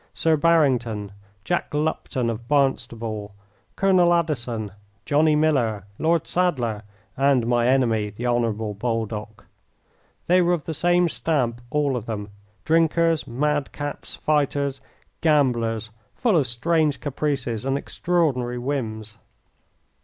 Sir Barrington, Jack Lupton, of Barnstable, Colonel Addison, Johnny Miller, Lord Sadler, and my enemy, the Honourable Baldock. They were of the same stamp all of them, drinkers, madcaps, fighters, gamblers, full of strange caprices and extraordinary whims.